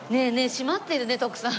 閉まってるね徳さん。